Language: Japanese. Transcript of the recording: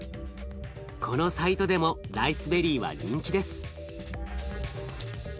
このサイトでもライスベリーは人気です。